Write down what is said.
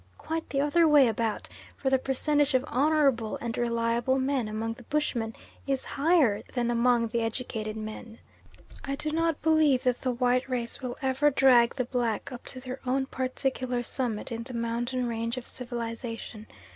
Quite the other way about, for the percentage of honourable and reliable men among the bushmen is higher than among the educated men. I do not believe that the white race will ever drag the black up to their own particular summit in the mountain range of civilisation.